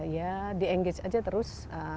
ya di engage aja terus